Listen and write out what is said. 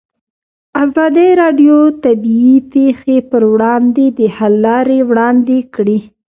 ازادي راډیو د طبیعي پېښې پر وړاندې د حل لارې وړاندې کړي.